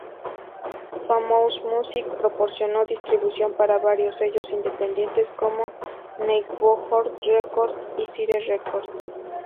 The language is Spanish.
Famous Music proporcionó distribución para varios sellos independientes, como Neighborhood Records y Sire Records.